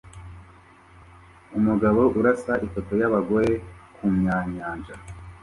Umugabo urasa ifoto yabagore kumyanyanja